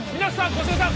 小菅さん